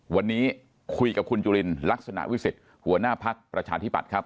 วันนี้คุยกับคุณจุลินลักษณะวิสิทธิ์หัวหน้าพักประชาธิบัติครับ